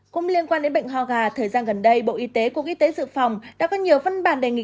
cũng liên quan đến bệnh ho gà thời gian gần đây bộ y tế cục y tế dự phòng đã có nhiều văn bản đề nghị